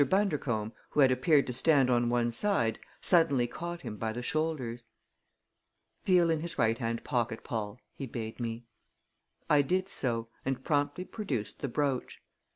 Bundercombe, who had appeared to stand on one side, suddenly caught him by the shoulders. "Feel in his right hand pocket, Paul!" he bade me. I did so and promptly produced the brooch.